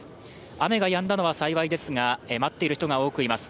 雨がやんだのは幸いですが待っている人が多くいます。